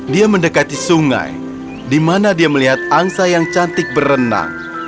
dia mendekati sungai di mana dia melihat angsa yang cantik berenang